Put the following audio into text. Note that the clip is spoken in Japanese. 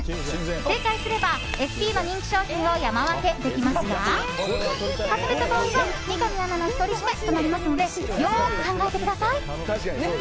正解すればエスビーの人気商品を山分けできますが外れた場合、三上アナの独り占めとなりますのでよく考えてください。